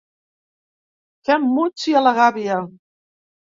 Fem muts i a la gàbia.